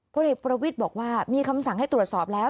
พลเอกประวิทย์บอกว่ามีคำสั่งให้ตรวจสอบแล้ว